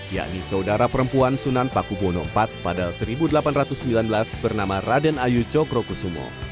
yakni saudara perempuan sunan pakubono iv pada seribu delapan ratus sembilan belas bernama raden ayu cokrokusumo